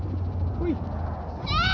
ほい！